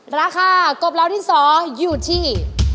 ราคากบลาวดินสออยู่ที่